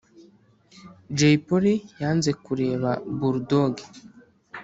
Jay Polly yanze kureba Bull Dogg